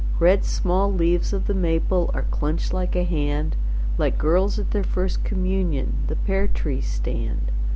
Red small leaves of the maple Are clenched like a hand, Like girls at their first communion The pear trees stand.